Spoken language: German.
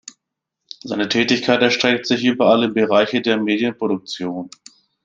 Seine Tätigkeit erstreckt sich über alle Bereiche der Medienproduktion.